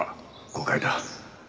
誤解だ。